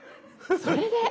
それで！